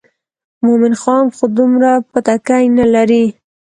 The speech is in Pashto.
مومن خان خو دومره بتکۍ نه لري.